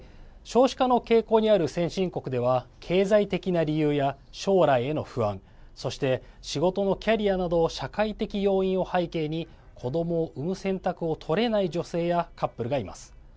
少子化の傾向にある先進国では経済的な理由や将来への不安そして仕事のキャリアなど社会的要因を背景に子どもを産む選択を取れない女性やカップルがいます。